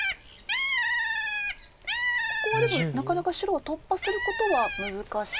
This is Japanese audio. ここはでもなかなか白は突破することは難しいですか。